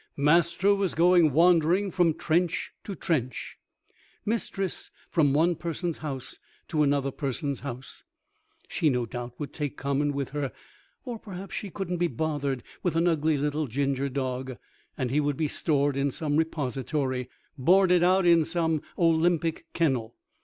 Master was going wandering from trench to trench, Mistress from one person's house to another person's house. She no doubt would take Common with her; or perhaps she couldn't be bothered with an ugly little ginger dog, and he would be stored in some repository, boarded out in some Olympic kennel.